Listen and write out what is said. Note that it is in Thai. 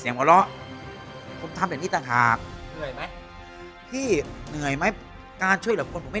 เสียงเหมือนเราทำแต่นี้ต่างหากที่เหนื่อยไหมการช่วยคนไม่